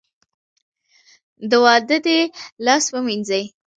د واده دې لاس ووېنځي .